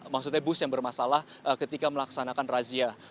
maksudnya bus yang bermasalah ketika melaksanakan razia